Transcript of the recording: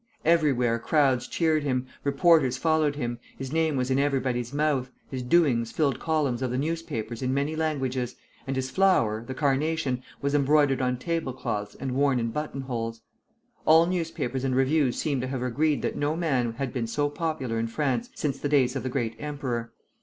Everywhere crowds cheered him, reporters followed him, his name was in everybody's mouth, his doings filled columns of the newspapers in many languages, and his flower, the carnation, was embroidered on tablecloths and worn in button holes. All newspapers and reviews seem to have agreed that no man had been so popular in France since the days of the Great Emperor.